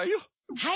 はい！